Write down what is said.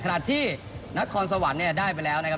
ขนาดที่นัทคอนสวรรค์เนี่ยได้ไปแล้วนะครับ